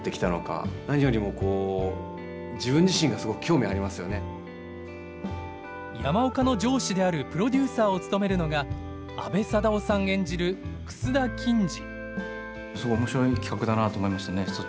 演じるのは山岡の上司であるプロデューサーを務めるのが阿部サダヲさん演じる楠田欽治。